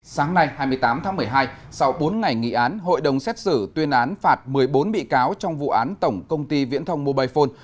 sáng nay hai mươi tám tháng một mươi hai sau bốn ngày nghị án hội đồng xét xử tuyên án phạt một mươi bốn bị cáo trong vụ án tổng công ty viễn thông mobile phone